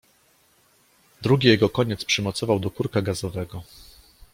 Drugi jego koniec przymocował do kurka gazowego.